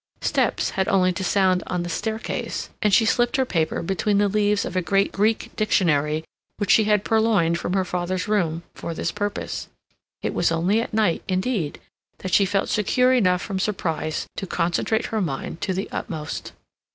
Steps had only to sound on the staircase, and she slipped her paper between the leaves of a great Greek dictionary which she had purloined from her father's room for this purpose. It was only at night, indeed, that she felt secure enough from surprise to concentrate her mind to the utmost.